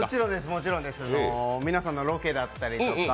もちろんです皆さんのロケだったりとか。